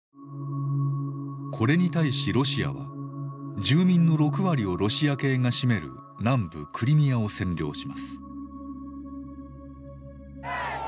これに対しロシアは住民の６割をロシア系が占める南部クリミアを占領します。